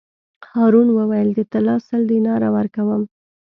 هارون وویل: د طلا سل دیناره ورکووم.